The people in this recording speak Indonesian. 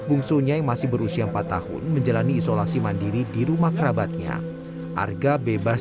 bungsunya yang masih berusia empat tahun menjalani isolasi mandiri di rumah kerabatnya arga bebas